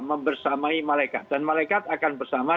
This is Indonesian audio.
membersamai malaikat dan malaikat akan bersama